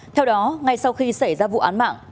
theo đó ngay sau khi xảy ra vụ án mạng